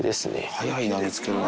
早いな見つけるの。